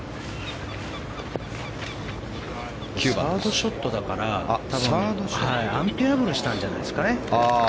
サードショットだからアンプレヤブルしたんじゃないですかね。